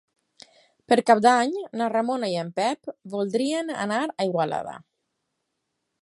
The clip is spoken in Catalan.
Per Cap d'Any na Ramona i en Pep voldria anar a Igualada.